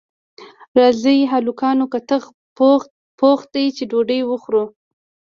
راځئ هلکانو کتغ پوخ دی چې ډوډۍ وخورو